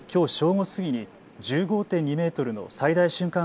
午過ぎに１５．２メートルの最大瞬間